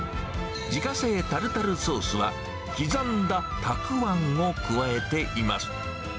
自家製タルタルソースは、刻んだたくあんを加えています。